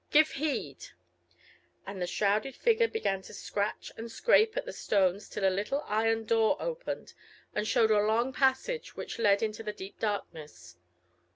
Give heed!" And the shrouded figure began to scratch and scrape at the stones till a little iron door opened, and showed a long passage which led into the deep darkness.